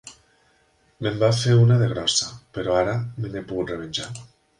Me'n va fer una de grossa, però ara me n'he pogut revenjar.